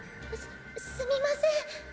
すすみません。